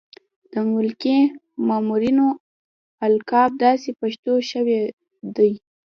د ملکي مامورینو القاب داسې پښتو شوي دي.